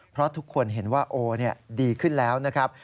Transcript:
เพราะทุกคนเห็นว่าโอดีขึ้นแล้วนะครับ